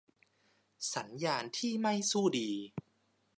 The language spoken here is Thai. สัญญาณที่ไม่สู้ดี